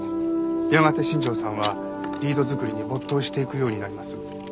やがて新庄さんはリード作りに没頭していくようになります。